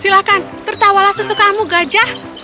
silahkan tertawalah sesukaamu gajah